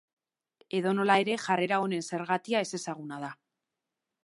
Edonola ere, jarrera honen zergatia ezezaguna da.